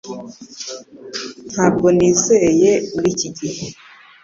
Ntabwo nizeye muri iki gihe